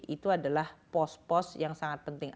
itu adalah pos pos yang sangat penting